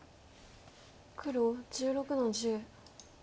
黒１６の十。